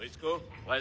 はい。